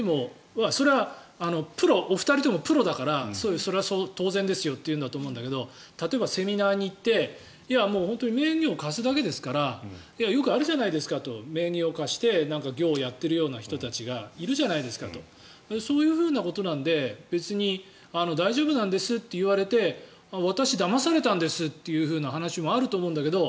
それはお二人ともプロだからそれは当然ですよと言うと思うんだけど例えば、セミナーに行って本当に名義を貸すだけですからよくあるじゃないですか名義を貸して業をやっている人たちがいるじゃないですかとそういうことなので別に大丈夫ですと言って私、だまされたんですって話もあると思うんだけど。